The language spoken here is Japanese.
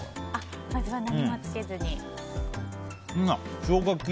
まずは何もつけずに。